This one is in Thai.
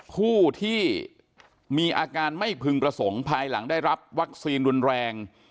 ผู้ที่มีอาการไม่พึงประสงค์ภายหลังได้รับวัคซีนรุนแรง